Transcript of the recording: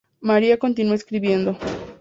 Maria continuó escribiendo.